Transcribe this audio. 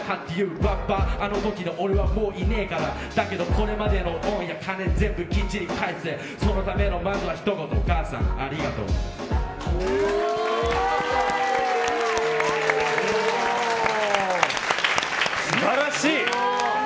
ラッパーあの時の俺はもういねえからだけどこれまでの恩や金全部きっちり返すそのためのまずはひと言お母さん、ありがとう。素晴らしい！